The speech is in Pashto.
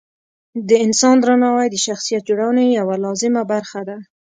د انسان درناوی د شخصیت جوړونې یوه لازمه برخه ده.